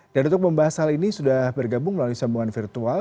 dan untuk membahas hal ini sudah bergabung melalui sambungan virtual